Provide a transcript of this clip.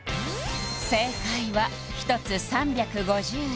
正解は１つ３５０円